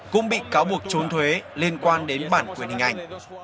cũng bị cáo buộc trốn thuế liên quan đến bản quyền hình ảnh